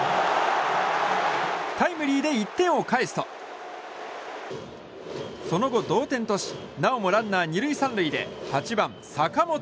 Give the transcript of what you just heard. タイムリーで１点を返すとその後、同点としなおもランナー２塁３塁で８番、坂本。